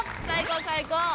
最高最高。